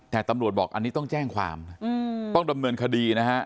แต่ตำรวจบอกอันนี้ต้องแจ้งความนะต้องดำเนินคดีนะฮะ